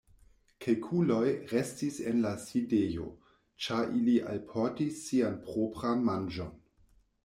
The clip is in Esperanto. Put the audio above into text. Kelkuloj restis en la sidejo, ĉar ili alportis sian propran manĝon.